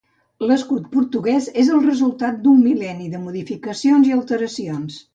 L'escut portuguès és el resultat d'un mil·lenni de modificacions i alteracions.